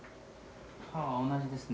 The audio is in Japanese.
刃は同じですね。